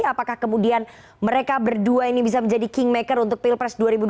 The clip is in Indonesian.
apakah kemudian mereka berdua ini bisa menjadi kingmaker untuk pilpres dua ribu dua puluh